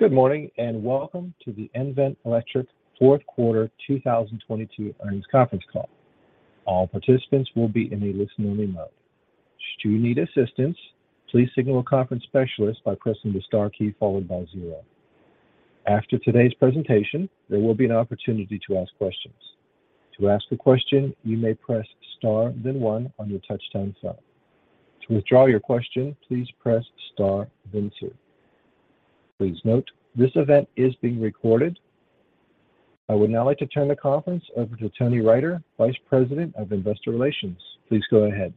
Good morning, and welcome to the nVent Electric Fourth Quarter 2022 Earnings Conference Call. All participants will be in a listen-only mode. Should you need assistance, please signal a conference specialist by pressing the star key followed by zero. After today's presentation, there will be an opportunity to ask questions. To ask a question, you may press star then one on your touch-tone phone. To withdraw your question, please press star then two. Please note, this event is being recorded. I would now like to turn the conference over to Tony Riter, Vice President of Investor Relations. Please go ahead.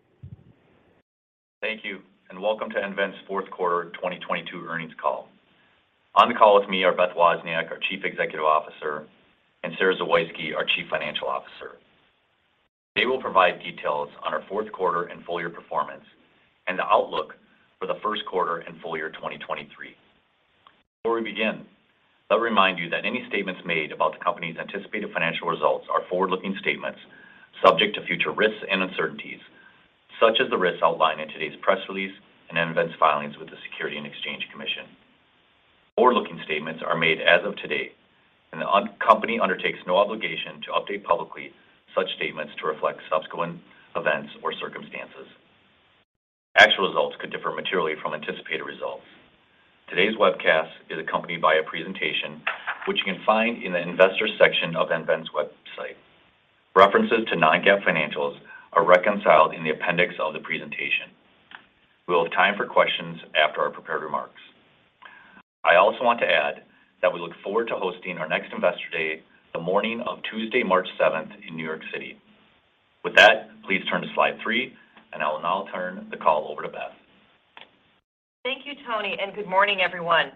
Thank you, and welcome to nVent's fourth quarter 2022 earnings call. On the call with me are Beth Wozniak, our Chief Executive Officer, and Sara Zawoyski, our Chief Financial Officer. They will provide details on our fourth quarter and full year performance and the outlook for the first quarter and full year 2023. Before we begin, let me remind you that any statements made about the company's anticipated financial results are forward-looking statements subject to future risks and uncertainties, such as the risks outlined in today's press release and nVent's filings with the Securities and Exchange Commission. Forward-looking statements are made as of today, and the company undertakes no obligation to update publicly such statements to reflect subsequent events or circumstances. Actual results could differ materially from anticipated results. Today's webcast is accompanied by a presentation which you can find in the investor section of nVent's website. References to non-GAAP financials are reconciled in the appendix of the presentation. We'll have time for questions after our prepared remarks. I also want to add that we look forward to hosting our next Investor Day the morning of Tuesday, March seventh, in New York City. With that, please turn to slide three, and I will now turn the call over to Beth. Thank you, Tony. Good morning, everyone.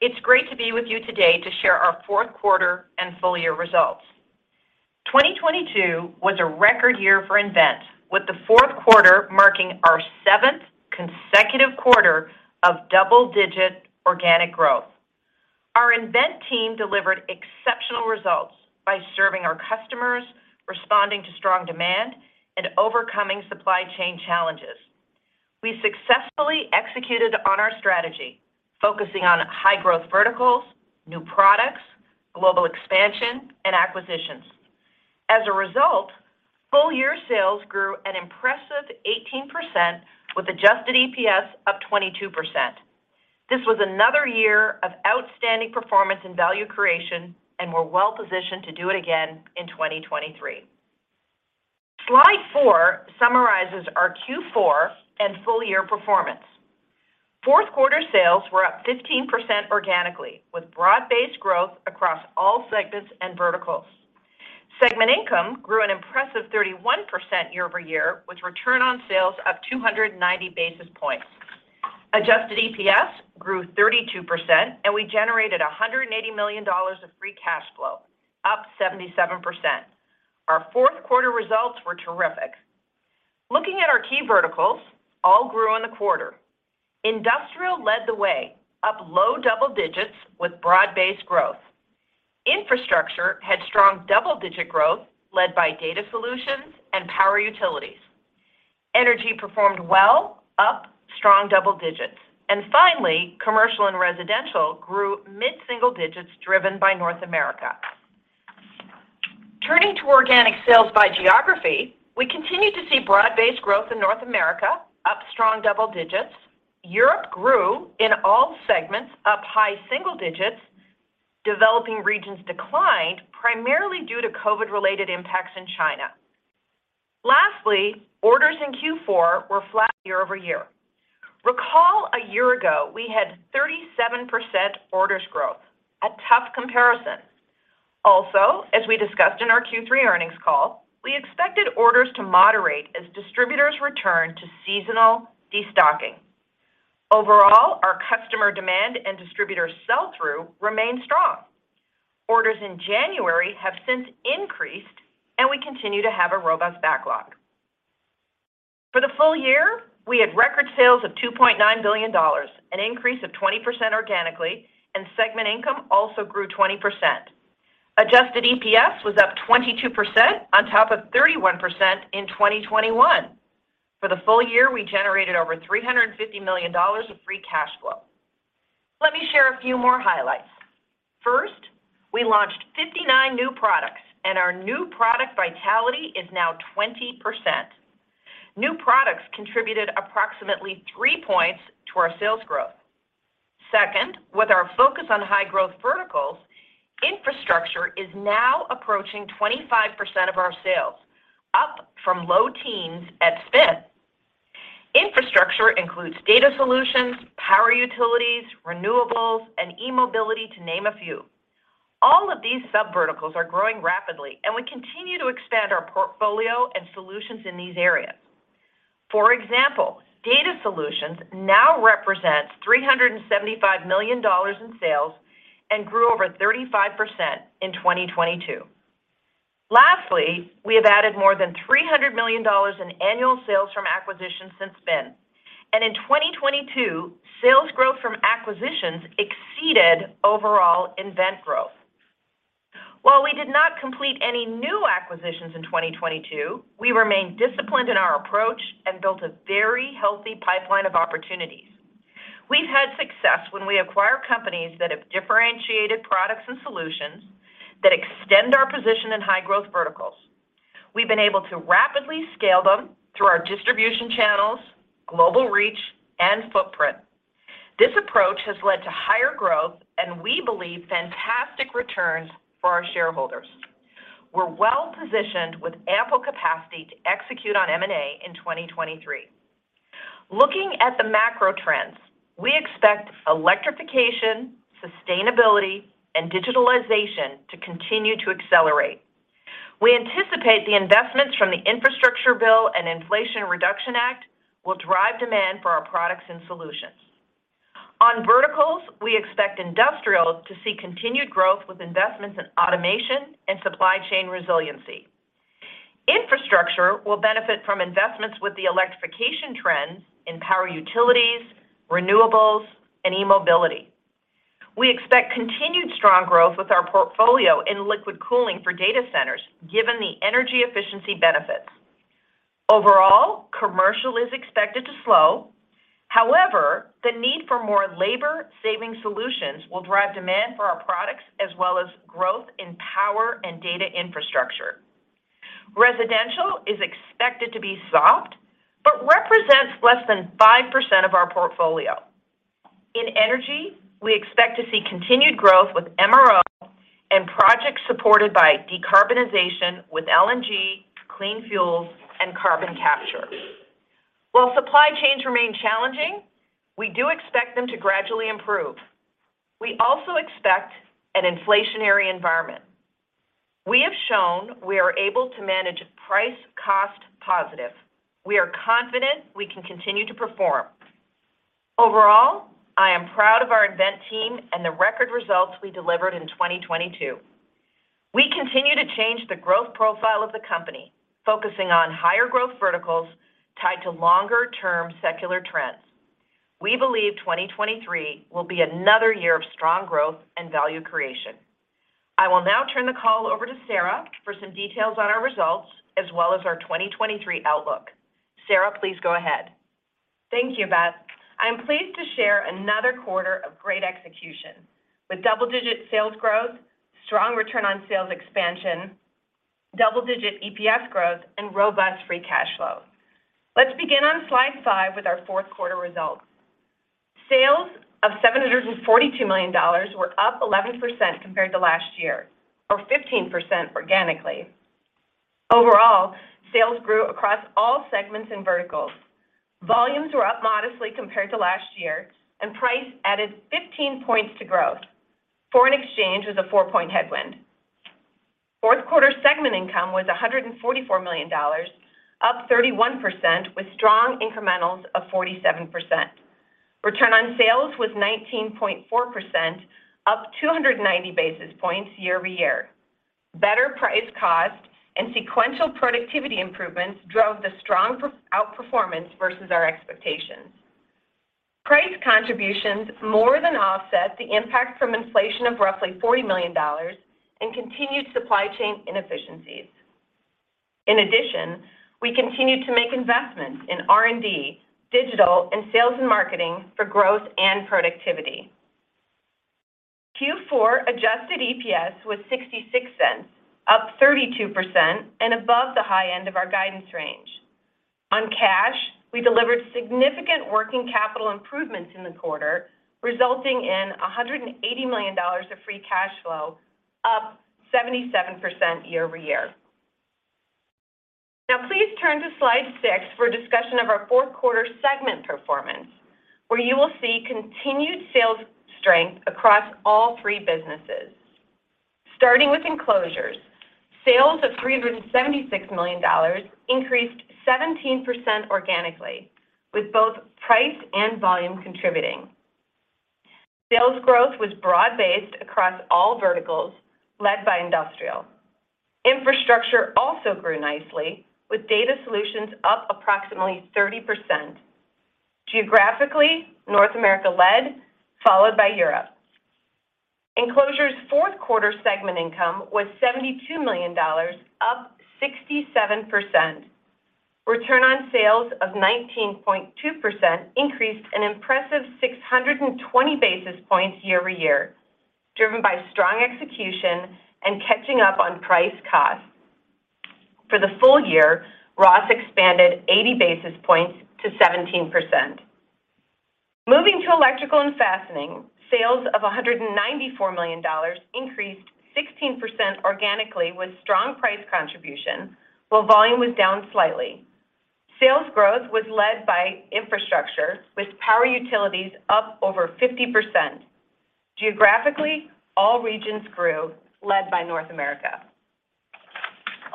It's great to be with you today to share our fourth quarter and full year results. 2022 was a record year for nVent, with the fourth quarter marking our seventh consecutive quarter of double-digit organic growth. Our nVent team delivered exceptional results by serving our customers, responding to strong demand, and overcoming supply chain challenges. We successfully executed on our strategy, focusing on high-growth verticals, new products, global expansion, and acquisitions. As a result, full-year sales grew an impressive 18% with adjusted EPS up 22%. This was another year of outstanding performance and value creation. We're well-positioned to do it again in 2023. Slide four summarizes our Q4 and full year performance. Fourth quarter sales were up 15% organically, with broad-based growth across all segments and verticals. Segment income grew an impressive 31% year-over-year, with return on sales up 290 basis points. Adjusted EPS grew 32%, we generated $180 million of free cash flow, up 77%. Our fourth quarter results were terrific. Looking at our key verticals, all grew in the quarter. Industrial led the way, up low double digits with broad-based growth. Infrastructure had strong double-digit growth led by data solutions and power utilities. Energy performed well, up strong double digits. Commercial and residential grew mid-single digits, driven by North America. Turning to organic sales by geography, we continued to see broad-based growth in North America, up strong double digits. Europe grew in all segments, up high single digits. Developing regions declined, primarily due to COVID-related impacts in China. Orders in Q4 were flat year-over-year. Recall a year ago, we had 37% orders growth, a tough comparison. Also, as we discussed in our Q3 earnings call, we expected orders to moderate as distributors return to seasonal destocking. Overall, our customer demand and distributor sell-through remained strong. Orders in January have since increased, and we continue to have a robust backlog. For the full year, we had record sales of $2.9 billion, an increase of 20% organically, and segment income also grew 20%. Adjusted EPS was up 22% on top of 31% in 2021. For the full year, we generated over $350 million of free cash flow. Let me share a few more highlights. First, we launched 59 new products, and our new product vitality is now 20%. New products contributed approximately three points to our sales growth. Second, with our focus on high-growth verticals, infrastructure is now approaching 25% of our sales, up from low teens at spin. Infrastructure includes data solutions, power utilities, renewables, and e-mobility, to name a few. All of these subverticals are growing rapidly, and we continue to expand our portfolio and solutions in these areas. For example, data solutions now represents $375 million in sales and grew over 35% in 2022. Lastly, we have added more than $300 million in annual sales from acquisitions since spin. In 2022, sales growth from acquisitions exceeded overall nVent growth. We did not complete any new acquisitions in 2022. We remained disciplined in our approach and built a very healthy pipeline of opportunities. We've had success when we acquire companies that have differentiated products and solutions that extend our position in high growth verticals. We've been able to rapidly scale them through our distribution channels, global reach, and footprint. This approach has led to higher growth, and we believe fantastic returns for our shareholders. We're well-positioned with ample capacity to execute on M&A in 2023. Looking at the macro trends, we expect electrification, sustainability, and digitalization to continue to accelerate. We anticipate the investments from the Infrastructure bill and Inflation Reduction Act will drive demand for our products and solutions. On verticals, we expect industrial to see continued growth with investments in automation and supply chain resiliency. Infrastructure will benefit from investments with the electrification trends in power utilities, renewables, and e-mobility. We expect continued strong growth with our portfolio in Liquid Cooling for Data Centers given the energy efficiency benefits. Overall, commercial is expected to slow. The need for more labor saving solutions will drive demand for our products as well as growth in power and data infrastructure. Residential is expected to be soft, represents less than 5% of our portfolio. In energy, we expect to see continued growth with MRO and projects supported by decarbonization with LNG, clean fuels, and carbon capture. Supply chains remain challenging, we do expect them to gradually improve. We also expect an inflationary environment. We have shown we are able to manage price cost positive. We are confident we can continue to perform. I am proud of our nVent team and the record results we delivered in 2022. We continue to change the growth profile of the company, focusing on higher growth verticals tied to longer-term secular trends. We believe 2023 will be another year of strong growth and value creation. I will now turn the call over to Sara for some details on our results as well as our 2023 outlook. Sara, please go ahead. Thank you, Beth. I'm pleased to share another quarter of great execution with double-digit sales growth, strong return on sales expansion, double-digit EPS growth, and robust free cash flow. Let's begin on slide 5 with our fourth quarter results. Sales of $742 million were up 11% compared to last year, or 15% organically. Overall, sales grew across all segments and verticals. Volumes were up modestly compared to last year, and price added 15 points to growth. Foreign exchange was a 4-point headwind. Fourth quarter segment income was $144 million, up 31% with strong incrementals of 47%. Return on sales was 19.4%, up 290 basis points year-over-year. Better price cost and sequential productivity improvements drove the strong outperformance versus our expectations. Price contributions more than offset the impact from inflation of roughly $40 million and continued supply chain inefficiencies. We continued to make investments in R&D, digital, and sales and marketing for growth and productivity. Q4 adjusted EPS was $0.66, up 32% and above the high end of our guidance range. On cash, we delivered significant working capital improvements in the quarter, resulting in $180 million of free cash flow, up 77% year-over-year. Please turn to slide 6 for a discussion of our fourth quarter segment performance, where you will see continued sales strength across all three businesses. Starting with Enclosures, sales of $376 million increased 17% organically, with both price and volume contributing. Sales growth was broad-based across all verticals, led by industrial. Infrastructure also grew nicely, with Data Solutions up approximately 30%. Geographically, North America led, followed by Europe. Enclosure's fourth quarter segment income was $72 million, up 67%. Return on sales of 19.2% increased an impressive 620 basis points year-over-year, driven by strong execution and catching up on price cost. For the full year, ROS expanded 80 basis points to 17%. Moving to Electrical and Fastening, sales of $194 million increased 16% organically with strong price contribution, while volume was down slightly. Sales growth was led by infrastructure with power utilities up over 50%. Geographically, all regions grew, led by North America.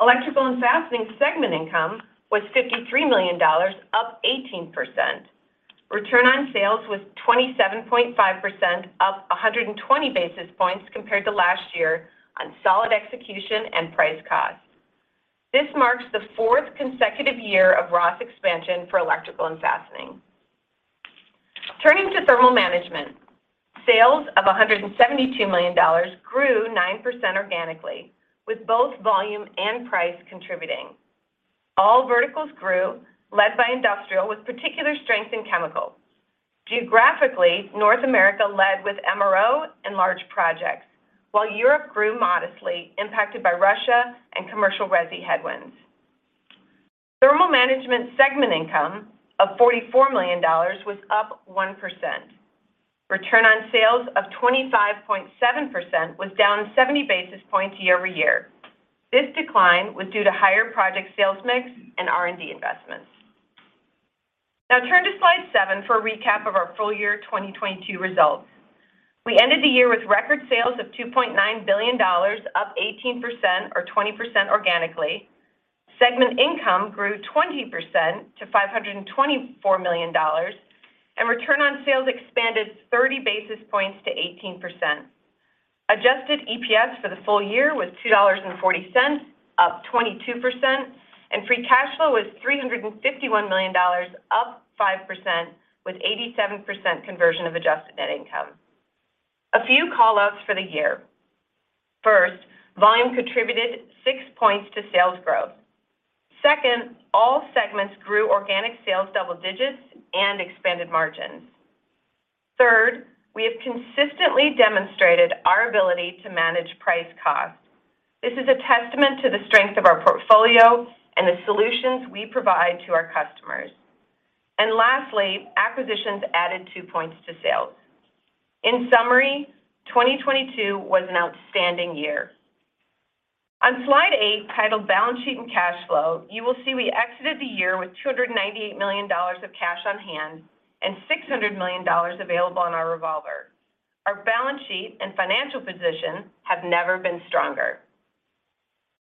Electrical and Fastening segment income was $53 million, up 18%. Return on sales was 27.5%, up 120 basis points compared to last year on solid execution and price cost. This marks the fourth consecutive year of ROS expansion for Electrical and Fastening. Turning to Thermal Management. Sales of $172 million grew 9% organically with both volume and price contributing. All verticals grew, led by industrial with particular strength in chemical. Geographically, North America led with MRO and large projects. Europe grew modestly impacted by Russia and commercial resi headwinds. Thermal Management segment income of $44 million was up 1%. Return on sales of 25.7% was down 70 basis points year-over-year. This decline was due to higher project sales mix and R&D investments. Turn to slide 7 for a recap of our full year 2022 results. We ended the year with record sales of $2.9 billion, up 18% or 20% organically. Segment income grew 20% to $524 million. Return on sales expanded 30 basis points to 18%. Adjusted EPS for the full year was $2.40, up 22%. Free cash flow was $351 million, up 5% with 87% conversion of adjusted net income. A few callouts for the year. First, volume contributed six points to sales growth. Second, all segments grew organic sales double digits and expanded margins. Third, we have consistently demonstrated our ability to manage price cost. This is a testament to the strength of our portfolio and the solutions we provide to our customers. Lastly, acquisitions added two points to sales. In summary, 2022 was an outstanding year. On slide 8, titled Balance Sheet and Cash Flow, you will see we exited the year with $298 million of cash on hand and $600 million available on our revolver. Our balance sheet and financial position have never been stronger.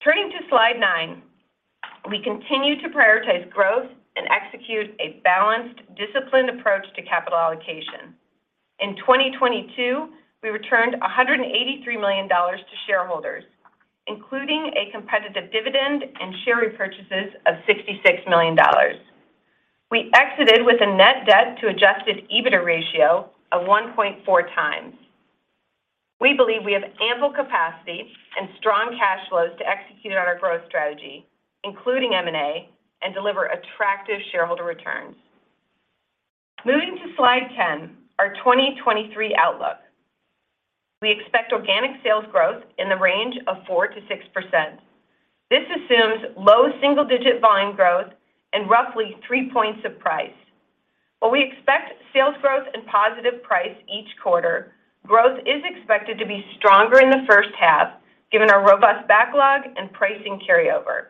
Turning to slide nine, we continue to prioritize growth and execute a balanced, disciplined approach to capital allocation. In 2022, we returned $183 million to shareholders, including a competitive dividend and share repurchases of $66 million. We exited with a net debt to adjusted EBITDA ratio of 1.4x. We believe we have ample capacity and strong cash flows to execute on our growth strategy, including M&A, and deliver attractive shareholder returns. Moving to slide 10, our 2023 outlook. We expect organic sales growth in the range of 4%-6%. This assumes low single-digit volume growth and roughly three points of price. While we expect sales growth and positive price each quarter, growth is expected to be stronger in the first half, given our robust backlog and pricing carryover.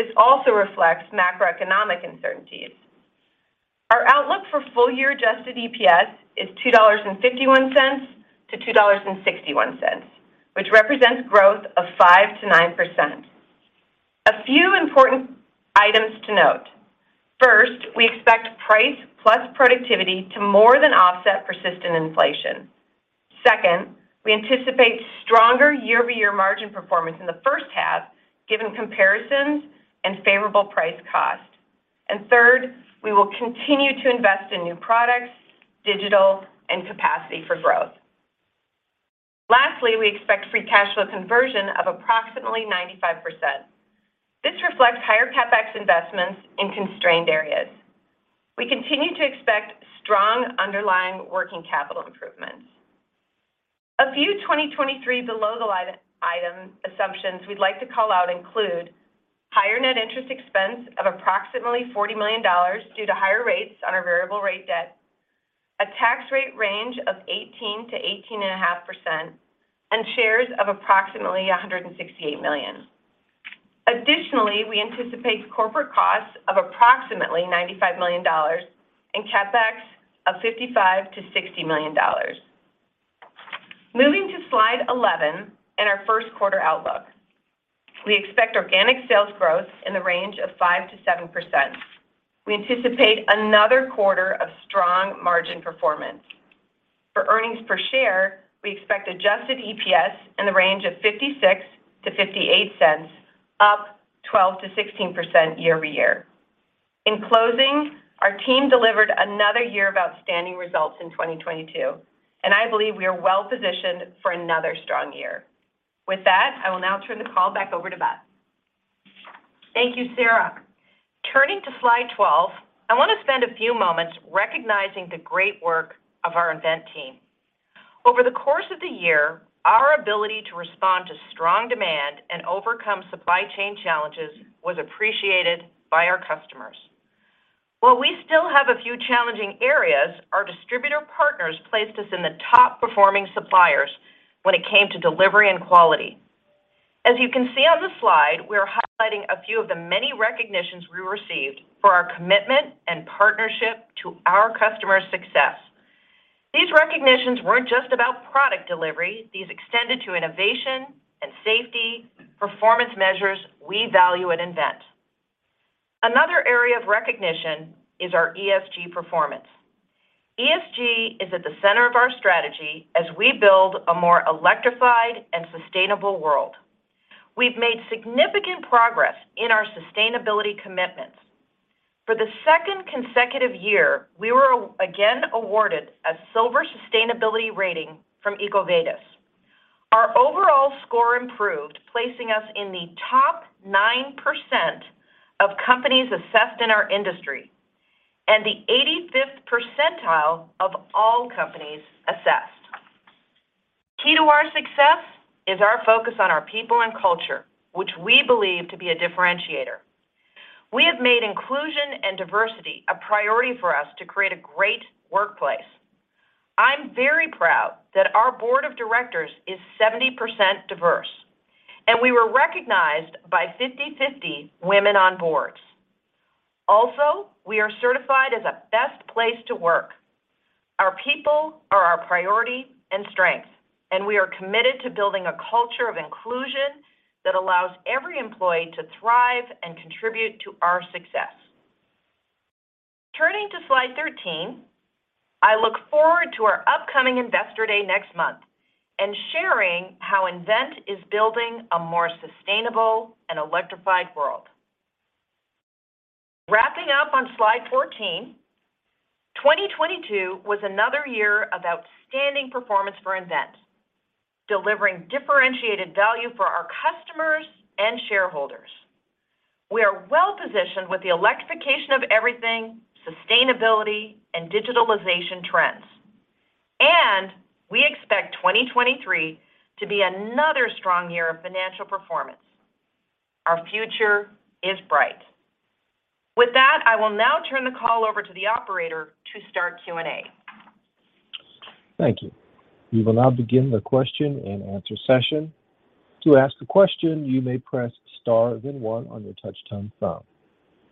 This also reflects macroeconomic uncertainties. Our outlook for full year adjusted EPS is $2.51-$2.61, which represents growth of 5%-9%. A few important items to note. First, we expect price plus productivity to more than offset persistent inflation. Second, we anticipate stronger year-over-year margin performance in the first half given comparisons and favorable price cost. Third, we will continue to invest in new products, digital and capacity for growth. Lastly, we expect free cash flow conversion of approximately 95%. This reflects higher CapEx investments in constrained areas. We continue to expect strong underlying working capital improvements. A few 2023 below the line item assumptions we'd like to call out include higher net interest expense of approximately $40 million due to higher rates on our variable rate debt, a tax rate range of 18%-18.5%, and shares of approximately 168 million. Additionally, we anticipate corporate costs of approximately $95 million and CapEx of $55 million-$60 million. Moving to slide 11 and our first quarter outlook. We expect organic sales growth in the range of 5%-7%. We anticipate another quarter of strong margin performance. For earnings per share, we expect adjusted EPS in the range of $0.56-$0.58, up 12%-16% year-over-year. In closing, our team delivered another year of outstanding results in 2022, and I believe we are well positioned for another strong year. With that, I will now turn the call back over to Beth. Thank you, Sara. Turning to slide 12, I want to spend a few moments recognizing the great work of our nVent team. Over the course of the year, our ability to respond to strong demand and overcome supply chain challenges was appreciated by our customers. While we still have a few challenging areas, our distributor partners placed us in the top performing suppliers when it came to delivery and quality. As you can see on the slide, we are highlighting a few of the many recognitions we received for our commitment and partnership to our customers' success. These recognitions weren't just about product delivery. These extended to innovation and safety, performance measures we value at nVent. Another area of recognition is our ESG performance. ESG is at the center of our strategy as we build a more electrified and sustainable world. We've made significant progress in our sustainability commitments. For the second consecutive year, we were again awarded a EcoVadis Silver Medal from EcoVadis. Our overall score improved, placing us in the top 9% of companies assessed in our industry and the 85th percentile of all companies assessed. Key to our success is our focus on our people and culture, which we believe to be a differentiator. We have made inclusion and diversity a priority for us to create a great workplace. I'm very proud that our board of directors is 70% diverse, and we were recognized by 50/50 Women on Boards. We are certified as a Great Place to Work. Our people are our priority and strength, and we are committed to building a culture of inclusion that allows every employee to thrive and contribute to our success. Turning to slide 13, I look forward to our upcoming Investor Day next month and sharing how nVent is building a more sustainable and electrified world. Wrapping up on slide 14, 2022 was another year of outstanding performance for nVent, delivering differentiated value for our customers and shareholders. We are well positioned with the electrification of everything, sustainability, and digitalization trends. We expect 2023 to be another strong year of financial performance. Our future is bright. With that, I will now turn the call over to the operator to start Q&A. Thank you. We will now begin the question and answer session. To ask a question, you may press star one on your touch-tone phone.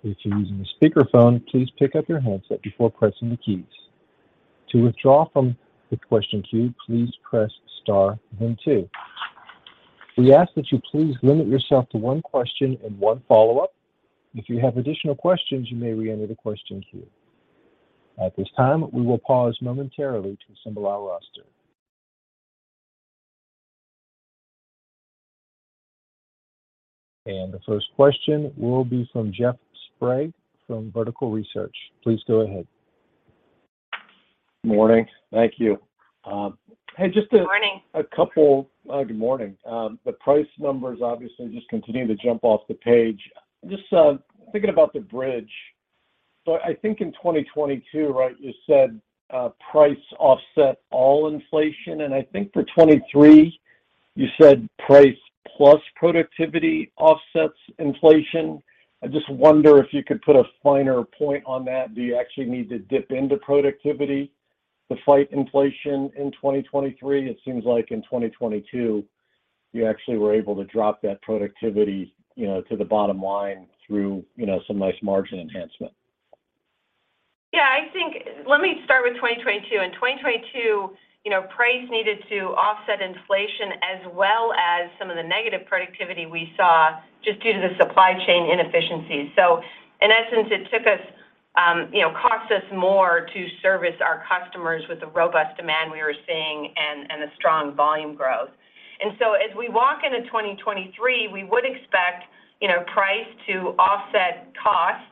If you're using a speakerphone, please pick up your handset before pressing the keys. To withdraw from the question queue, please press star two. We ask that you please limit yourself to one question and one follow-up. If you have additional questions, you may reenter the question queue. At this time, we will pause momentarily to assemble our roster. The first question will be from Jeff Sprague from Vertical Research. Please go ahead. Morning. Thank you. hey, Morning Good morning. The price numbers obviously just continue to jump off the page. Just thinking about the bridge. I think in 2022, right, you said price offset all inflation, and I think for 2023 you said price plus productivity offsets inflation. I just wonder if you could put a finer point on that. Do you actually need to dip into productivity to fight inflation in 2023? It seems like in 2022 you actually were able to drop that productivity, you know, to the bottom line through, you know, some nice margin enhancement. Yeah, let me start with 2022. In 2022, you know, price needed to offset inflation as well as some of the negative productivity we saw just due to the supply chain inefficiencies. In essence, it took us, you know, cost us more to service our customers with the robust demand we were seeing and the strong volume growth. As we walk into 2023, we would expect, you know, price to offset cost,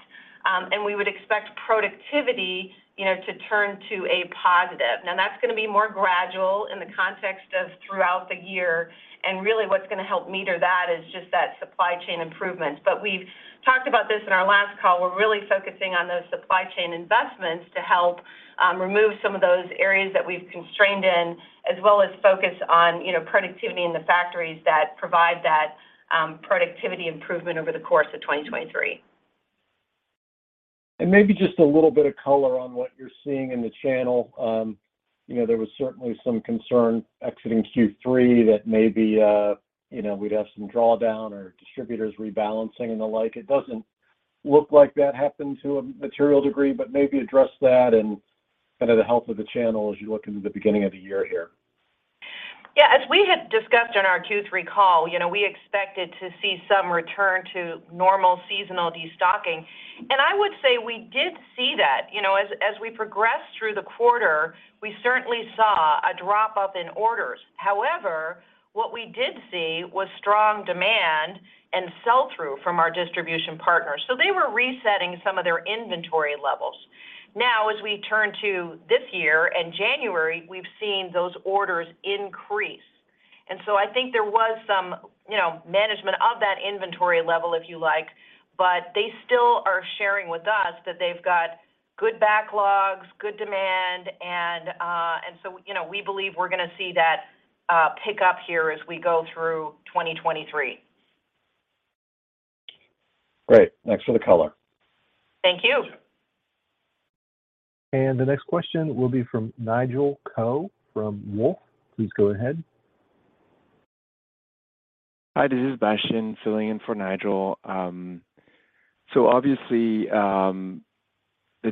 and we would expect productivity, you know, to turn to a positive. Now, that's gonna be more gradual in the context of throughout the year, and really what's gonna help meter that is just that supply chain improvements. We've talked about this in our last call. We're really focusing on those supply chain investments to help remove some of those areas that we've constrained in, as well as focus on, you know, productivity in the factories that provide that productivity improvement over the course of 2023. Maybe just a little bit of color on what you're seeing in the channel. You know, there was certainly some concern exiting Q3 that maybe, you know, we'd have some drawdown or distributors rebalancing and the like. It doesn't look like that happened to a material degree, but maybe address that and kind of the health of the channel as you look into the beginning of the year here. Yeah, as we had discussed on our Q3 call, you know, we expected to see some return to normal seasonal destocking. I would say we did see that. You know, as we progressed through the quarter, we certainly saw a drop-off in orders. However, what we did see was strong demand and sell-through from our distribution partners. They were resetting some of their inventory levels. Now, as we turn to this year and January, we've seen those orders increase. I think there was some, you know, management of that inventory level, if you like. They still are sharing with us that they've got good backlogs, good demand, and so, you know, we believe we're gonna see that pick up here as we go through 2023. Great. Thanks for the color. Thank you. The next question will be from Nigel Coe from Wolfe. Please go ahead. Hi, this is Bastien filling in for Nigel. obviously, the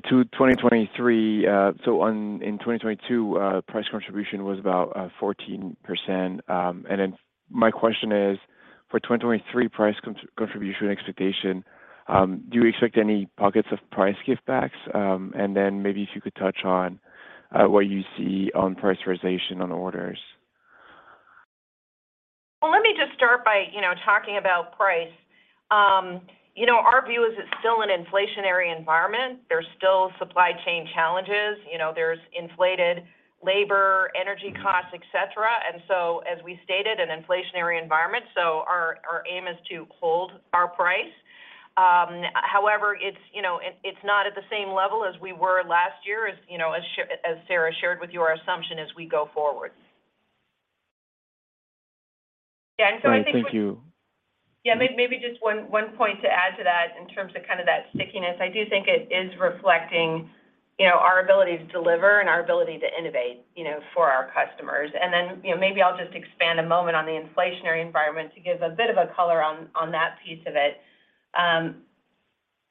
two 2023, in 2022, price contribution was about 14%. My question is, for 2023 price contribution expectation, do you expect any pockets of price give backs? Maybe if you could touch on what you see on prioritization on orders. Well, let me just start by, you know, talking about price. You know, our view is it's still an inflationary environment. There's still supply chain challenges. You know, there's inflated labor, energy costs, et cetera. As we stated, an inflationary environment, our aim is to hold our price. However, it's, you know, it's not at the same level as we were last year as, you know, as Sara shared with you, our assumption as we go forward. Yeah. I think. Thank you. Yeah. maybe just one point to add to that in terms of kind of that stickiness. I do think it is reflecting, you know, our ability to deliver and our ability to innovate, you know, for our customers. Then, you know, maybe I'll just expand a moment on the inflationary environment to give a bit of a color on that piece of it.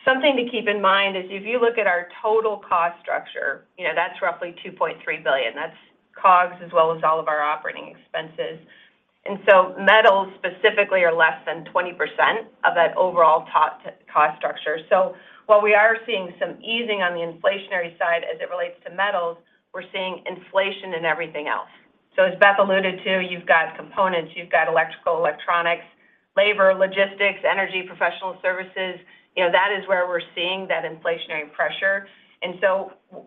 Something to keep in mind is if you look at our total cost structure, you know, that's roughly $2.3 billion. That's COGS as well as all of our operating expenses. So metals specifically are less than 20% of that overall cost structure. While we are seeing some easing on the inflationary side as it relates to metals, we're seeing inflation in everything else. As Beth alluded to, you've got components, you've got electrical, electronics, labor, logistics, energy, professional services. You know, that is where we're seeing that inflationary pressure.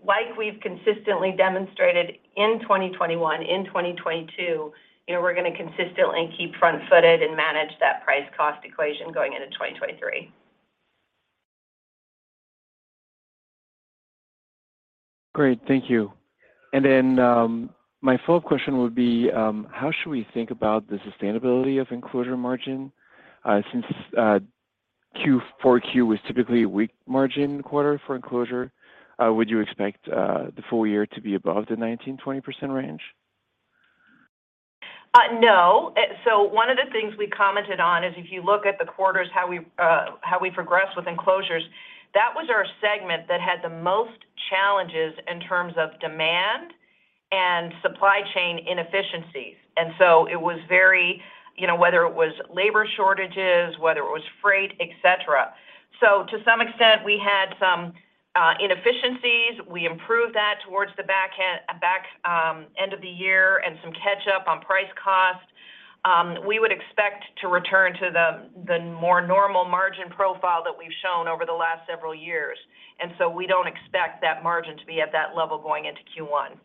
like we've consistently demonstrated in 2021, in 2022, you know, we're gonna consistently keep front-footed and manage that price cost equation going into 2023. Great. Thank you. My follow-up question would be, how should we think about the sustainability of Enclosures margin, since Q4 was typically a weak margin quarter for Enclosures, would you expect the full year to be above the 19%-20% range? No. One of the things we commented on is if you look at the quarters, how we progressed with Enclosures, that was our segment that had the most challenges in terms of demand and supply chain inefficiencies. It was very, you know, whether it was labor shortages, whether it was freight, et cetera. To some extent, we had some inefficiencies. We improved that towards the back end of the year and some catch-up on price cost. We would expect to return to the more normal margin profile that we've shown over the last several years. We don't expect that margin to be at that level going into Q1.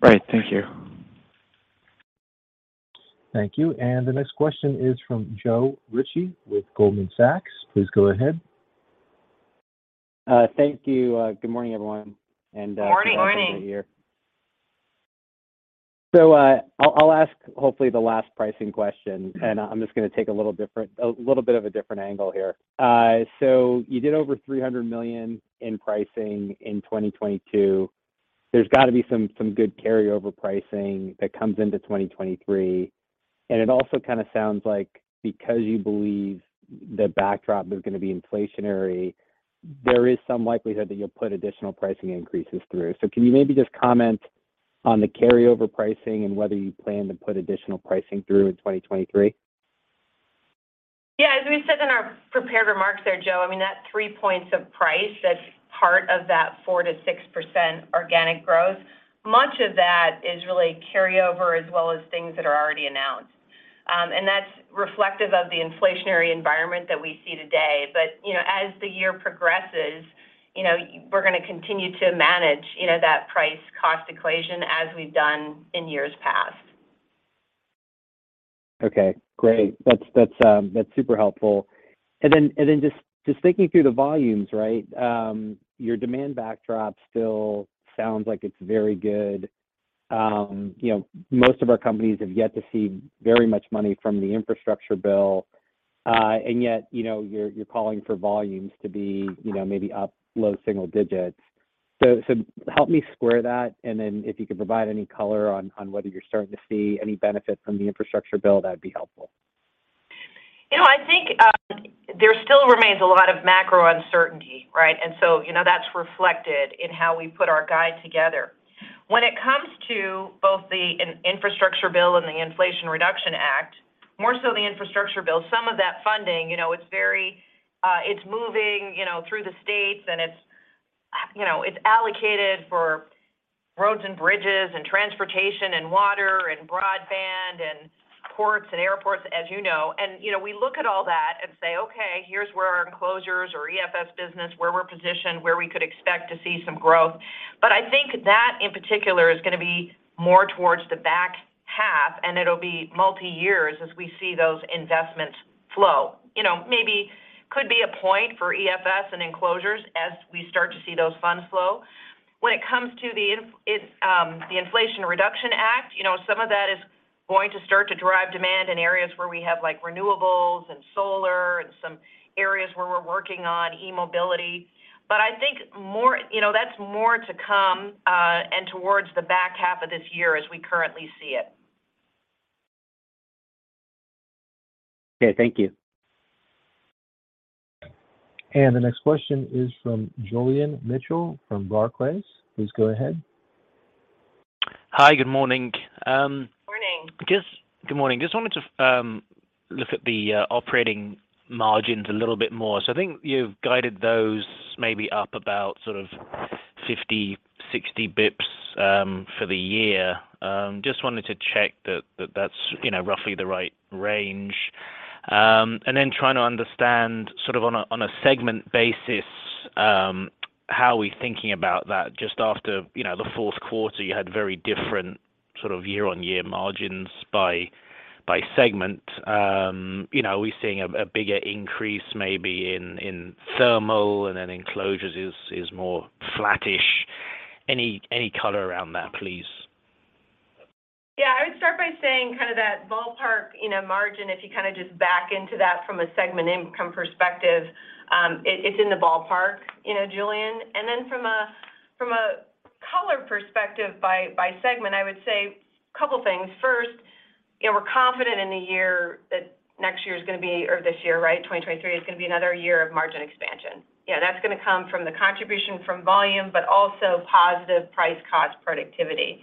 Great. Thank you. Thank you. The next question is from Joe Ritchie with Goldman Sachs. Please go ahead. Thank you. Good morning, everyone. Morning. Thanks for being here. I'll ask hopefully the last pricing question, and I'm just gonna take a little bit of a different angle here. You did over $300 million in pricing in 2022. There's got to be some good carryover pricing that comes into 2023. It also kinda sounds like because you believe the backdrop is gonna be inflationary, there is some likelihood that you'll put additional pricing increases through. Can you maybe just comment on the carryover pricing and whether you plan to put additional pricing through in 2023? Yeah. As we said in our prepared remarks there, Joe, I mean, that three points of price, that's part of that 4%-6% organic growth. Much of that is really carryover as well as things that are already announced. That's reflective of the inflationary environment that we see today. You know, as the year progresses, you know, we're gonna continue to manage, you know, that price cost equation as we've done in years past. Okay, great. That's super helpful. Then just thinking through the volumes, right, your demand backdrop still sounds like it's very good. You know, most of our companies have yet to see very much money from the infrastructure bill, and yet, you know, you're calling for volumes to be, you know, maybe up low single digits. Help me square that, and then if you could provide any color on whether you're starting to see any benefit from the infrastructure bill, that'd be helpful. You know, I think, there still remains a lot of macro uncertainty, right? You know, that's reflected in how we put our guide together. When it comes to both the Infrastructure bill and the Inflation Reduction Act, more so the Infrastructure bill, some of that funding, you know, it's very, it's moving, you know, through the states, and it's, you know, it's allocated for roads and bridges and transportation and water and broadband and ports and airports, as you know. You know, we look at all that and say, "Okay, here's where our Enclosures or EFS business, where we're positioned, where we could expect to see some growth." That in particular is gonna be more towards the back half, and it'll be multi-years as we see those investments flow. You know, maybe could be a point for EFS and Enclosures as we start to see those funds flow. When it comes to the Inflation Reduction Act, you know, some of that is going to start to drive demand in areas where we have, like, renewables and solar and some areas where we're working on e-mobility. I think more, you know, that's more to come, and towards the back half of this year as we currently see it. Okay. Thank you. The next question is from Julian Mitchell from Barclays. Please go ahead. Hi. Good morning. Morning. Good morning. Just wanted to look at the operating margins a little bit more. I think you've guided those maybe up about sort of 50, 60 basis points for the year. Just wanted to check that that's, you know, roughly the right range. Trying to understand sort of on a segment basis, how we're thinking about that. Just after, you know, the fourth quarter, you had very different sort of year-on-year margins by segment. You know, are we seeing a bigger increase maybe in Thermal and then Enclosures is more flattish? Any color around that, please? Yeah. I would start by saying kind of that ballpark, you know, margin, if you kind of just back into that from a segment income perspective, it's in the ballpark, you know, Julian. From a color perspective by segment, I would say couple things. First, you know, we're confident in the year that this year, right, 2023, is going to be another year of margin expansion. You know, that's going to come from the contribution from volume, but also positive price cost productivity.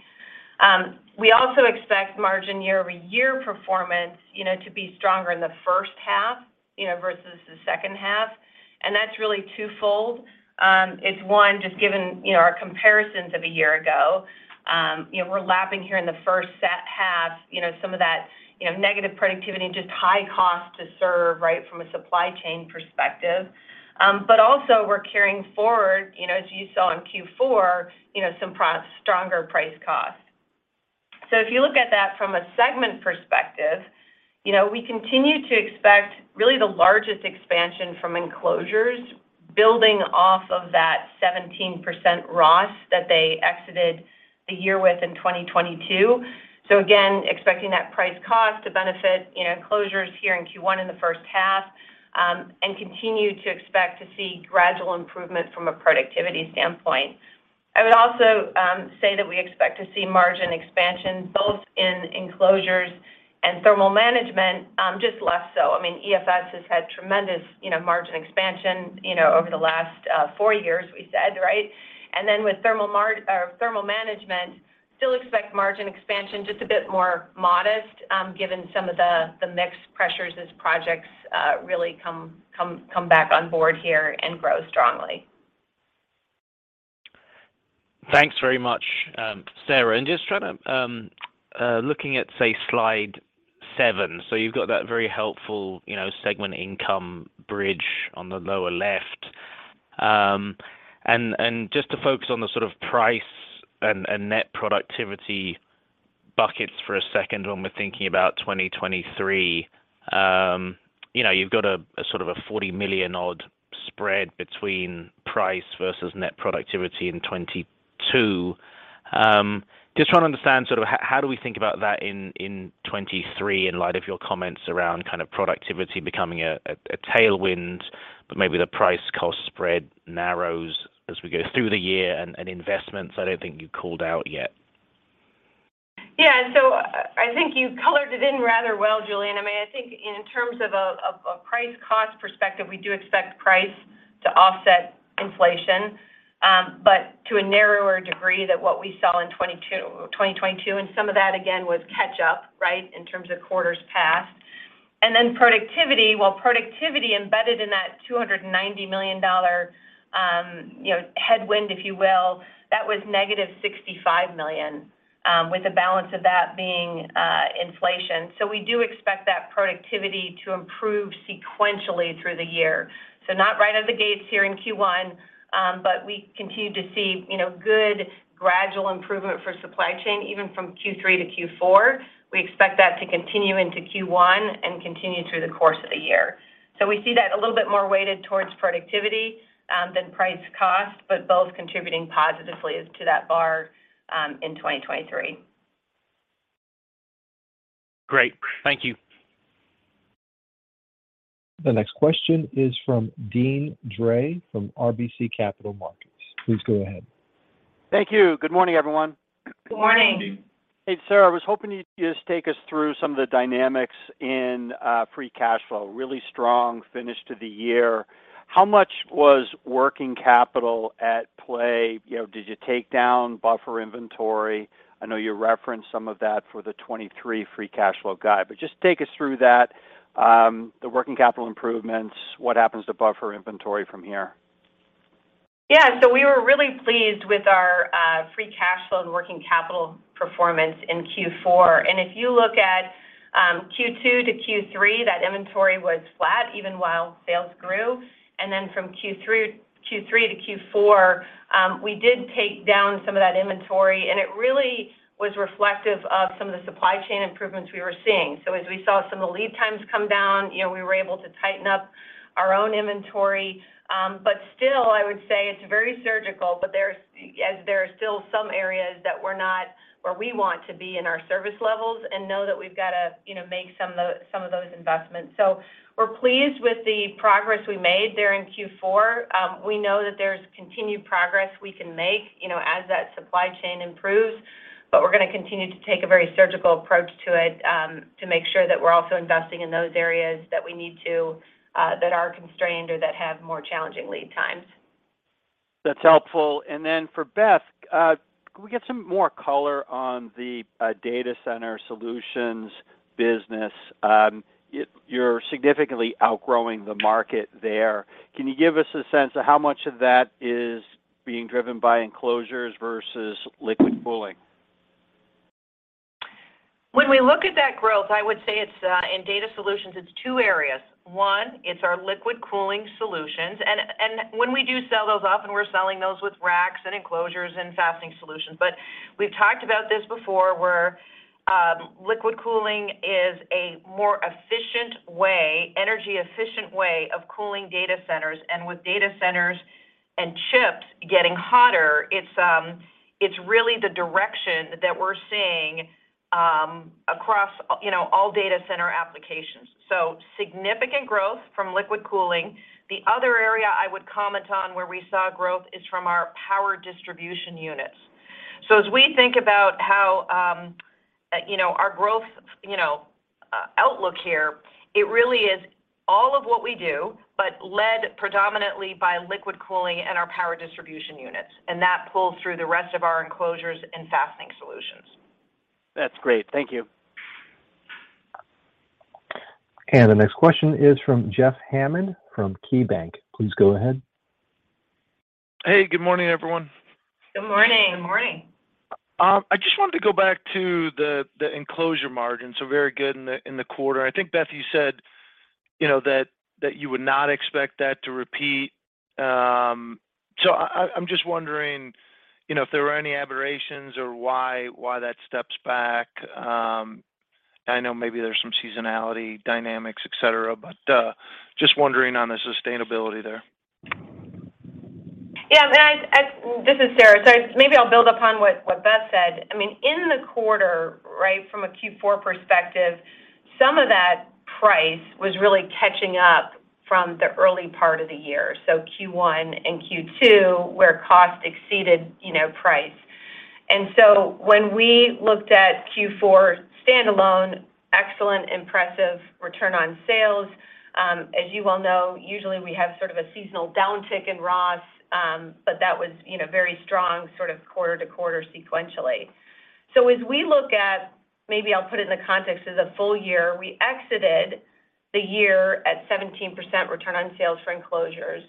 We also expect margin year-over-year performance, you know, to be stronger in the first half, you know, versus the second half, and that's really twofold. It's one, just given, you know, our comparisons of a year ago, you know, we're lapping here in the first set half, you know, some of that, you know, negative productivity and just high cost to serve, right, from a supply chain perspective. But also we're carrying forward, you know, as you saw in Q4, you know, some stronger price cost. If you look at that from a segment perspective, you know, we continue to expect really the largest expansion from Enclosures building off of that 17% ROS that they exited the year with in 2022. Again, expecting that price cost to benefit, you know, Enclosures here in Q1 in the first half, and continue to expect to see gradual improvement from a productivity standpoint. I would also say that we expect to see margin expansion both in Enclosures and Thermal Management, just less so. I mean, EFS has had tremendous, you know, margin expansion, you know, over the last four years, we said, right? With Thermal Management, still expect margin expansion, just a bit more modest, given some of the mix pressures as projects really come back on board here and grow strongly. Thanks very much, Sarah. Just trying to, looking at, say, slide seven. You've got that very helpful, you know, segment income bridge on the lower left. Just to focus on the sort of price and net productivity buckets for a second when we're thinking about 2023, you know, you've got a, sort of a $40 million odd spread between price versus net productivity in 2022. Just trying to understand sort of how do we think about that in 2023 in light of your comments around kind of productivity becoming a tailwind, but maybe the price cost spread narrows as we go through the year and investments I don't think you called out yet. Yeah. I think you colored it in rather well, Julian. I mean, I think in terms of a, of price cost perspective, we do expect price to offset inflation, but to a narrower degree than what we saw in 2022. Some of that again was catch up, right, in terms of quarters passed. Productivity, while productivity embedded in that $290 million, you know, headwind, if you will, that was -$65 million, with the balance of that being inflation. We do expect that productivity to improve sequentially through the year. Not right out of the gates here in Q1, but we continue to see, you know, good gradual improvement for supply chain, even from Q3 to Q4. We expect that to continue into Q1 and continue through the course of the year. We see that a little bit more weighted towards productivity, than price cost, but both contributing positively as to that bar, in 2023. Great. Thank you. The next question is from Deane Dray from RBC Capital Markets. Please go ahead. Thank you. Good morning, everyone. Good morning. Good morning. Hey, Sarah. I was hoping you'd just take us through some of the dynamics in free cash flow. Really strong finish to the year. How much was working capital at play? You know, did you take down buffer inventory? I know you referenced some of that for the 2023 free cash flow guide, but just take us through that, the working capital improvements, what happens to buffer inventory from here. Yeah. We were really pleased with our free cash flow and working capital performance in Q4. If you look at Q2 to Q3, that inventory was flat even while sales grew. From Q3 to Q4, we did take down some of that inventory, and it really was reflective of some of the supply chain improvements we were seeing. As we saw some of the lead times come down, you know, we were able to tighten up our own inventory. Still, I would say it's very surgical, but there are still some areas that we're not where we want to be in our service levels and know that we've got to, you know, make some of those investments. We're pleased with the progress we made there in Q4. We know that there's continued progress we can make, you know, as that supply chain improves. We're going to continue to take a very surgical approach to it, to make sure that we're also investing in those areas that we need to, that are constrained or that have more challenging lead times. That's helpful. For Beth, can we get some more color on the Data Center Solutions business? You're significantly outgrowing the market there. Can you give us a sense of how much of that is being driven by Enclosures versus Liquid Cooling? When we look at that growth, I would say it's in data solutions, it's two areas. One, it's our liquid cooling solutions. When we do sell those off, and we're selling those with racks and Enclosures and Fastening Solutions. We've talked about this before, where liquid cooling is a more efficient way, energy efficient way of cooling data centers. With data centers and chips getting hotter, it's really the direction that we're seeing across, you know, all data center applications. Significant growth from liquid cooling. The other area I would comment on where we saw growth is from our Power Distribution Units. As we think about how, you know, our growth, you know, outlook here, it really is all of what we do, but led predominantly by Liquid Cooling and our Power Distribution Units, and that pulls through the rest of our Enclosures and Fastening Solutions. That's great. Thank you. The next question is from Jeff Hammond from KeyBanc. Please go ahead. Hey, good morning, everyone. Good morning. I just wanted to go back to the Enclosure margins, so very good in the, in the quarter. I think, Beth, you said, you know, that you would not expect that to repeat. I'm just wondering, you know, if there were any aberrations or why that steps back. I know maybe there's some seasonality dynamics, et cetera, but just wondering on the sustainability there. Yeah. This is Sara. Maybe I'll build upon what Beth said. I mean, in the quarter, right, from a Q4 perspective, some of that price was really catching up from the early part of the year, so Q1 and Q2, where cost exceeded, you know, price. When we looked at Q4 standalone, excellent, impressive return on sales. As you well know, usually we have sort of a seasonal downtick in ROS, that was, you know, very strong sort of quarter-to-quarter sequentially. As we look at, maybe I'll put it in the context of the full year, we exited the year at 17% return on sales for Enclosures,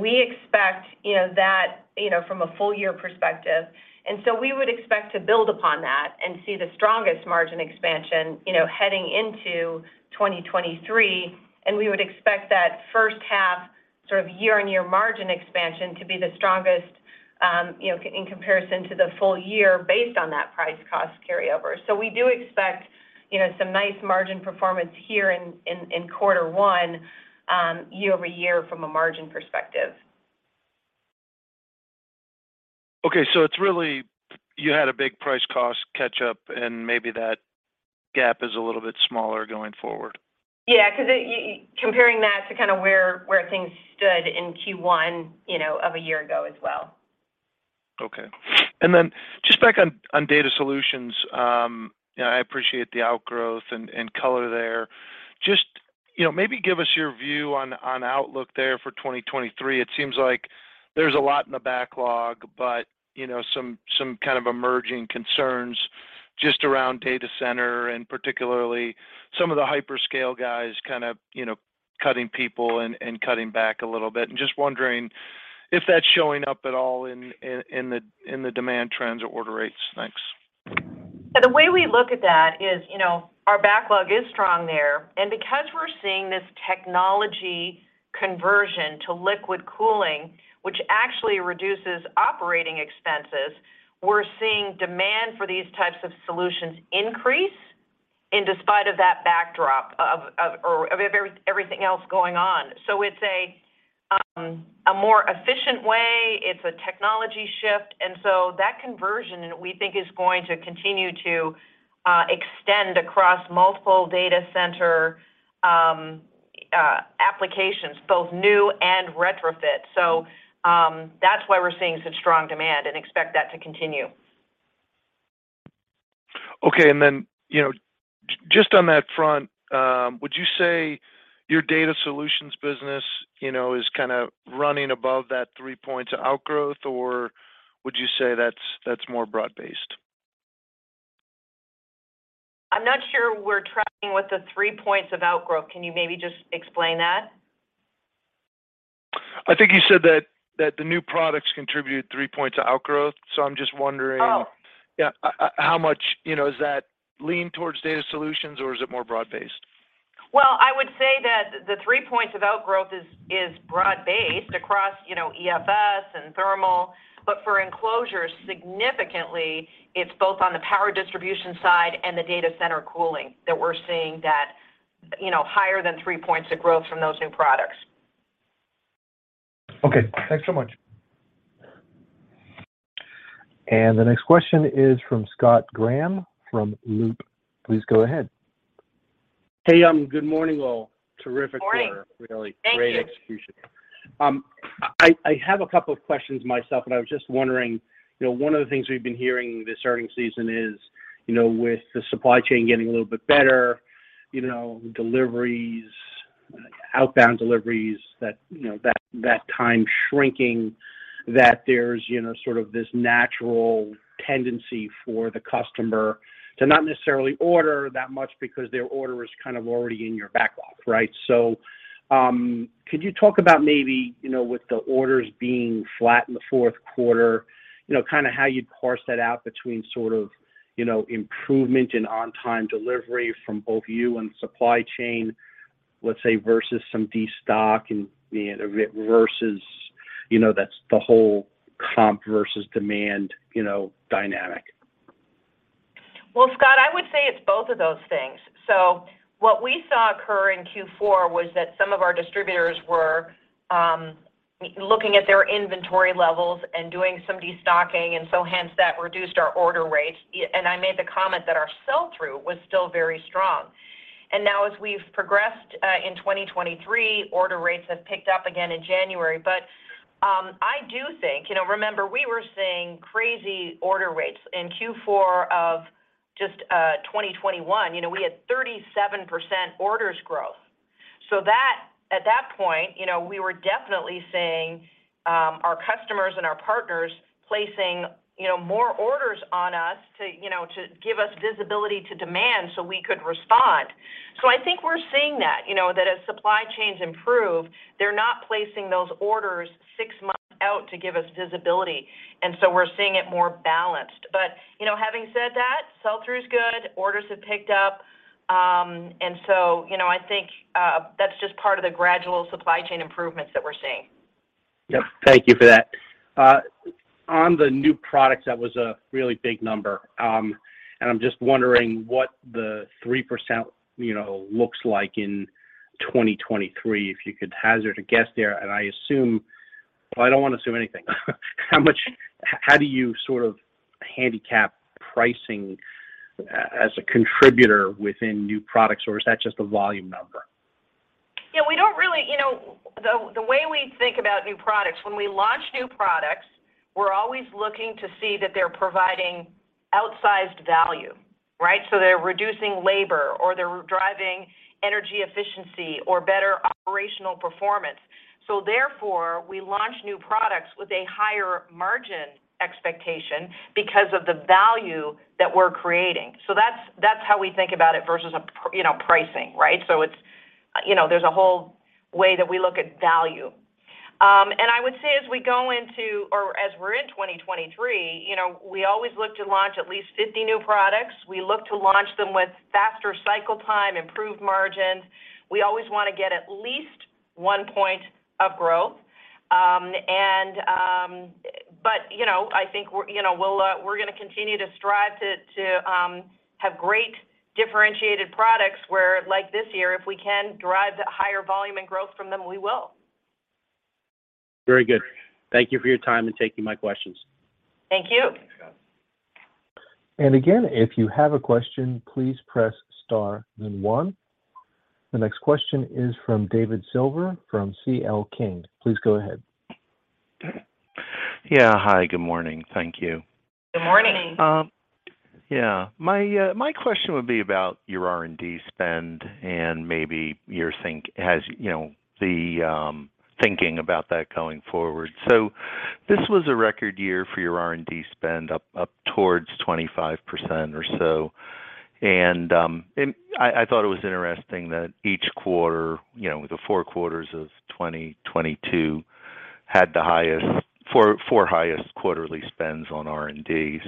we expect, you know, that, you know, from a full year perspective. we would expect to build upon that and see the strongest margin expansion, you know, heading into 2023, and we would expect that first half sort of year-on-year margin expansion to be the strongest, you know, in comparison to the full year based on that price cost carryover. We do expect, you know, some nice margin performance here in quarter one, year-over-year from a margin perspective. Okay. It's really you had a big price cost catch up, and maybe that gap is a little bit smaller going forward. Yeah. 'Cause comparing that to kind of where things stood in Q1, you know, of a year ago as well. Okay. Just back on data solutions. you know, I appreciate the outgrowth and color there. Just, you know, maybe give us your view on outlook there for 2023. It seems like there's a lot in the backlog, but, you know, some kind of emerging concerns just around data center and particularly some of the hyperscale guys kind of, you know, cutting people and cutting back a little bit. Just wondering if that's showing up at all in the demand trends or order rates? Thanks. The way we look at that is, you know, our backlog is strong there. Because we're seeing this technology conversion to Liquid Cooling, which actually reduces operating expenses, we're seeing demand for these types of solutions increase in despite of that backdrop of everything else going on. It's a more efficient way. It's a technology shift, that conversion we think is going to continue to extend across multiple Data Center applications, both new and retrofit. That's why we're seeing such strong demand and expect that to continue. Okay. you know, just on that front, would you say your data solutions business, you know, is kind of running above that 3 points outgrowth, or would you say that's more broad based? I'm not sure we're tracking with the three points of outgrowth. Can you maybe just explain that? I think you said that the new products contributed three points of outgrowth. I'm just wondering... Oh. Yeah. how much, you know, is that lean towards Data solutions, or is it more broad based? Well, I would say that the three points of outgrowth is broad based across, you know, EFS and thermal, but for Enclosures, significantly, it's both on the power distribution side and the data center cooling that we're seeing that, you know, higher than three points of growth from those new products. Okay. Thanks so much. The next question is from Scott Graham from Loop. Please go ahead. Hey, good morning, all. Terrific quarter. Morning. I have a couple of questions myself. I was just wondering, you know, one of the things we've been hearing this earnings season is You know, with the supply chain getting a little bit better, you know, deliveries, outbound deliveries, that, you know, that time shrinking, that there's, you know, sort of this natural tendency for the customer to not necessarily order that much because their order is kind of already in your backlog, right? Could you talk about maybe, you know, with the orders being flat in the fourth quarter, you know, kinda how you'd parse that out between sort of, you know, improvement in on-time delivery from both you and supply chain, let's say, versus some destock and, you know, versus, you know, that's the whole comp versus demand, you know, dynamic? Scott, I would say it's both of those things. What we saw occur in Q4 was that some of our distributors were looking at their inventory levels and doing some destocking, and so hence that reduced our order rates. I made the comment that our sell-through was still very strong. Now as we've progressed in 2023, order rates have picked up again in January. I do think. You know, remember, we were seeing crazy order rates. In Q4 of just 2021, you know, we had 37% orders growth. That, at that point, you know, we were definitely seeing our customers and our partners placing, you know, more orders on us to, you know, to give us visibility to demand so we could respond. I think we're seeing that, you know, that as supply chains improve, they're not placing those orders six months out to give us visibility, and so we're seeing it more balanced. You know, having said that, sell-through's good, orders have picked up. You know, I think that's just part of the gradual supply chain improvements that we're seeing. Yep. Thank you for that. On the new products, that was a really big number. I'm just wondering what the 3%, you know, looks like in 2023, if you could hazard a guess there. Well, I don't wanna assume anything. How do you sort of handicap pricing as a contributor within new products, or is that just a volume number? We don't really. You know, the way we think about new products, when we launch new products, we're always looking to see that they're providing outsized value, right? They're reducing labor or they're driving energy efficiency or better operational performance. Therefore, we launch new products with a higher margin expectation because of the value that we're creating. That's how we think about it versus pricing, right? It's. You know, there's a whole way that we look at value. I would say as we go into, or as we're in 2023, you know, we always look to launch at least 50 new products. We look to launch them with faster cycle time, improved margins. We always want to get at least one point of growth. You know, I think we're, you know, we'll, we're gonna continue to strive to have great differentiated products where, like this year, if we can derive the higher volume and growth from them, we will. Very good. Thank you for your time and taking my questions. Thank you. Thanks, Scott. Again, if you have a question, please press star then one. The next question is from David Silver from C.L. King. Please go ahead. Yeah. Hi, good morning. Thank you. Good morning. My question would be about your R&D spend and maybe your thinking about that going forward. This was a record year for your R&D spend, up towards 25% or so. I thought it was interesting that each quarter, you know, the four quarters of 2022 had the four highest quarterly spends on R&D.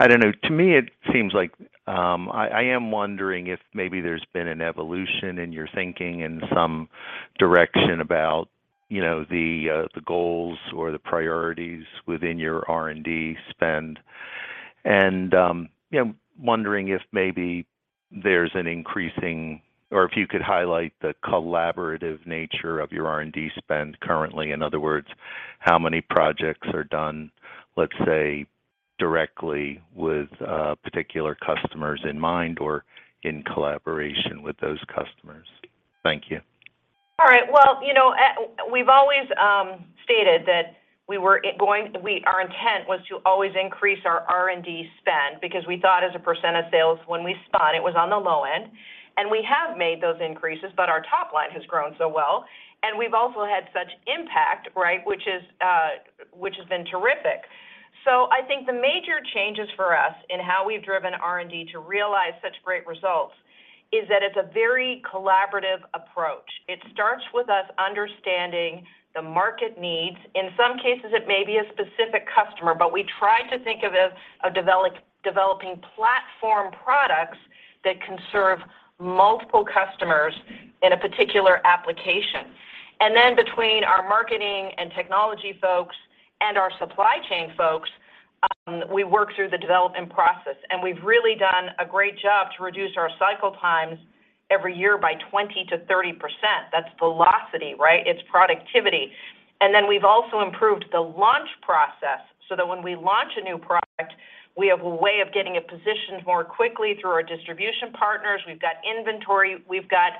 I don't know. To me, it seems like, I am wondering if maybe there's been an evolution in your thinking in some direction about, you know, the goals or the priorities within your R&D spend. Wondering if maybe there's an increasing, or if you could highlight the collaborative nature of your R&D spend currently. In other words, how many projects are done, let's say, directly with particular customers in mind or in collaboration with those customers? Thank you. Well, you know, we've always stated that our intent was to always increase our R&D spend because we thought as a % of sales when we spun, it was on the low end. We have made those increases, but our top line has grown so well, and we've also had such impact, right, which has been terrific. I think the major changes for us in how we've driven R&D to realize such great results is that it's a very collaborative approach. It starts with us understanding the market needs. In some cases, it may be a specific customer, but we try to think of it, of developing platform products that can serve multiple customers in a particular application. Between our marketing and technology folks and our supply chain folks, we work through the development process. We've really done a great job to reduce our cycle times every year by 20%-30%. That's velocity, right? It's productivity. We've also improved the launch process so that when we launch a new product, we have a way of getting it positioned more quickly through our distribution partners. We've got inventory. We've got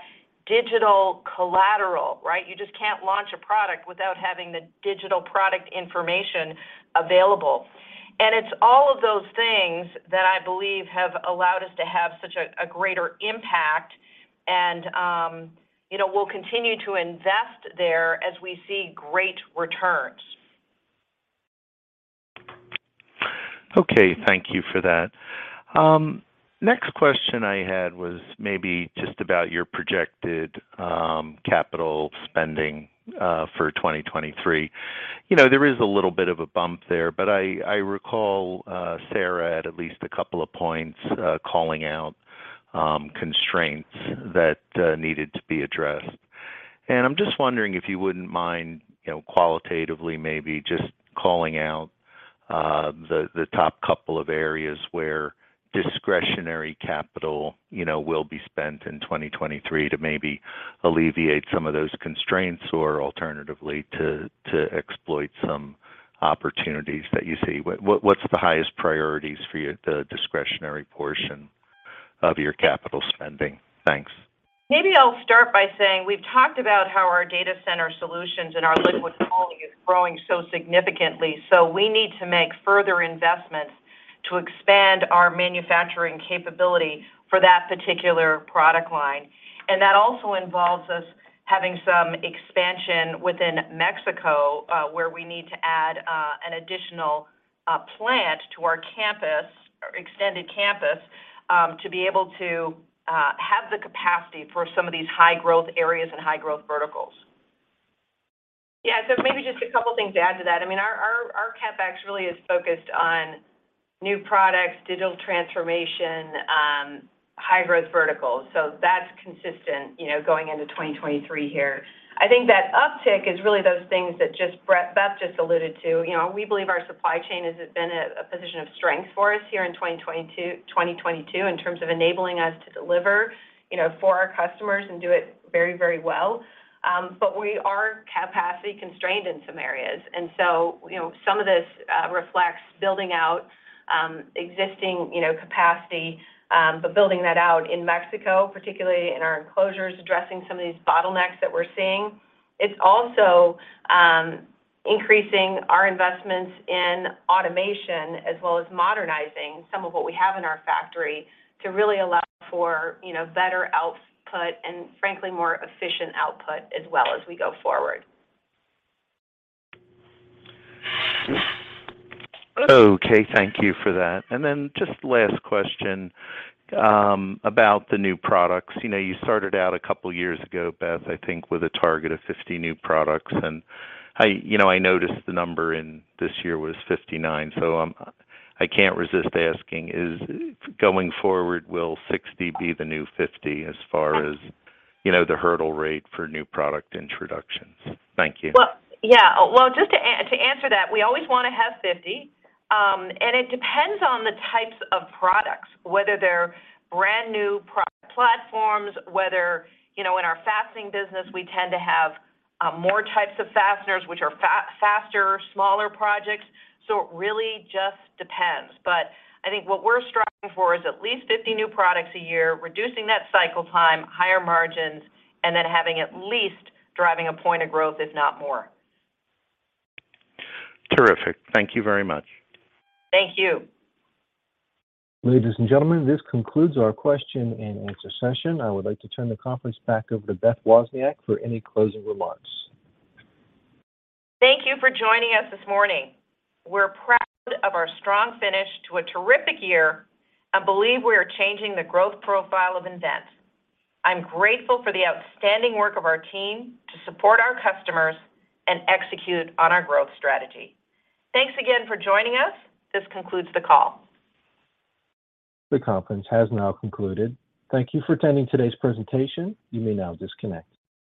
digital collateral, right? You just can't launch a product without having the digital product information available. It's all of those things that I believe have allowed us to have such a greater impact, and, you know, we'll continue to invest there as we see great returns. Okay. Thank you for that. next question I had was maybe just about your projected, capital spending, for 2023. You know, there is a little bit of a bump there, but I recall, Sara at least a couple of points, calling out, constraints that, needed to be addressed. I'm just wondering if you wouldn't mind, you know, qualitatively maybe just calling out, the top couple of areas where discretionary capital, you know, will be spent in 2023 to maybe alleviate some of those constraints or alternatively to exploit some opportunities that you see. What's the highest priorities for you, the discretionary portion of your capital spending? Thanks. Maybe I'll start by saying we've talked about how our Data Center Solutions and our Liquid Cooling is growing so significantly, so we need to make further investments to expand our manufacturing capability for that particular product line. That also involves us having some expansion within Mexico, where we need to add an additional plant to our campus, extended campus, to be able to have the capacity for some of these high growth areas and high growth verticals. Yeah. Maybe just a couple things to add to that. I mean, our CapEx really is focused on new products, digital transformation, high growth verticals. That's consistent, you know, going into 2023 here. I think that uptick is really those things that just Beth just alluded to. You know, we believe our supply chain has been a position of strength for us here in 2022 in terms of enabling us to deliver, you know, for our customers and do it very, very well. We are capacity constrained in some areas. Some of this, you know, reflects building out existing, you know, capacity, but building that out in Mexico, particularly in our Enclosures, addressing some of these bottlenecks that we're seeing. It's also increasing our investments in automation as well as modernizing some of what we have in our factory to really allow for, you know, better output and frankly, more efficient output as well as we go forward. Okay. Thank you for that. Just last question, about the new products. You know, you started out a couple years ago, Beth, I think, with a target of 50 new products. I, you know, I noticed the number in this year was 59. I can't resist asking, is going forward, will 60 be the new 50 as far as, you know, the hurdle rate for new product introductions? Thank you. Yeah. Just to answer that, we always wanna have 50, and it depends on the types of products, whether they're brand new platforms, whether, you know, in our fastening business, we tend to have more types of fasteners, which are faster, smaller projects. It really just depends. I think what we're striving for is at least 50 new products a year, reducing that cycle time, higher margins, and then having at least driving a point of growth, if not more. Terrific. Thank you very much. Thank you. Ladies and gentlemen, this concludes our question and answer session. I would like to turn the conference back over to Beth Wozniak for any closing remarks. Thank you for joining us this morning. We're proud of our strong finish to a terrific year and believe we are changing the growth profile of nVent. I'm grateful for the outstanding work of our team to support our customers and execute on our growth strategy. Thanks again for joining us. This concludes the call. The conference has now concluded. Thank you for attending today's presentation. You may now disconnect.